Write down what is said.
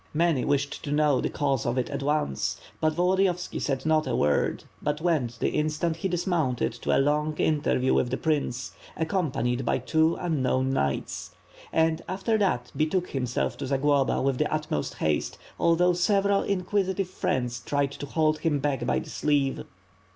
Many wished to know the cause of it at once, but Volodiyovski said not a word, but went, the instant he dismounted, to a long interview with the Prince, accom panied by two unknown knights; and, after that, betook him self to SSagloba with the utmost haste, although several in quisitive friends tried to hold him back by the sleeve.